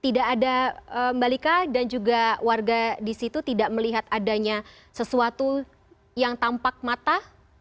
tidak ada mbak lika dan juga warga di situ tidak melihat adanya sesuatu yang tampak mata